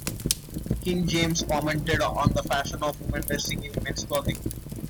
King James commented on the fashion of women dressing in men's clothing.